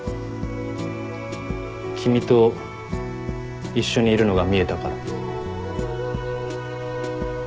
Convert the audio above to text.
君と一緒にいるのが見えたから。